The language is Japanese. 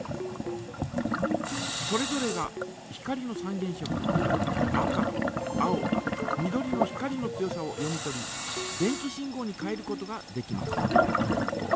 それぞれが光の三原色赤青緑の光の強さを読み取り電気信号に変えることができます。